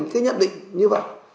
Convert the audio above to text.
cái nhận định như vậy